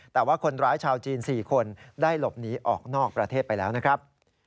แต่ว่าคนร้ายชาวจีน๔คนได้หลบหนีออกนอกประเทศไปแล้วนะครับ